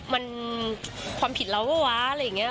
มันความผิดแล้วนะเว้าอะไรอย่างนี้